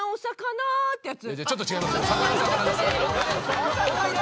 ちょっと違います。